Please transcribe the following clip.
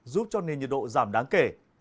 giúp cho nền nhiệt độ giảm đáng kể